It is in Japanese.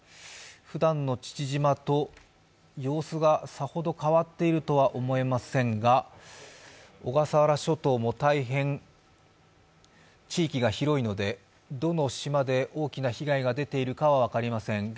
ふだんの父島と様子がさほど変わっているとは思えませんが、小笠原諸島も大変地域が広いのでどの島で大きな被害が出ているかは分かりません。